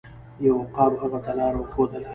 یو عقاب هغه ته لاره وښودله.